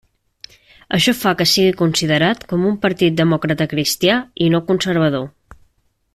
Això fa que sigui considerat com un partit democratacristià i no conservador.